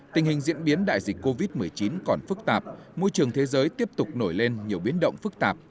tình hình diễn biến đại dịch covid một mươi chín còn phức tạp môi trường thế giới tiếp tục nổi lên nhiều biến động phức tạp